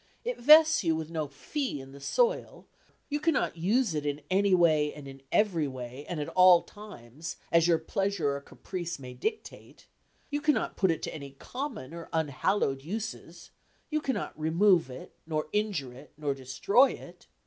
It vests you with no fee in the soil; you cannot use it in any way, and in every way, and at all times, as your pleasure or caprice may dictate; you cannot put it to any common or unhallowed uses; you cannot remove it, nor injure it, nor destroy it.